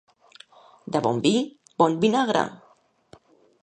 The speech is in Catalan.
De bon vi, bon vinagre.